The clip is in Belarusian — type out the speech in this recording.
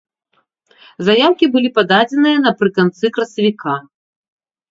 Заяўкі былі пададзеныя напрыканцы красавіка.